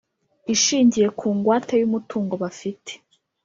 ishingiye ku ngwate y umutungo bafite